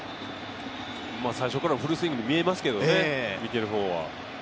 最初からフルスイングに見えますけどね、見てる方は。